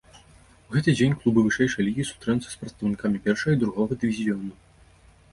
У гэты дзень клубы вышэйшай лігі сустрэнуцца з прадстаўнікамі першага і другога дывізіёну.